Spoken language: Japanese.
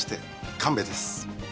神戸です。